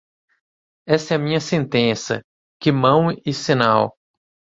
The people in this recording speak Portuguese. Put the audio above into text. Esta é a minha sentença, que mão e sinal.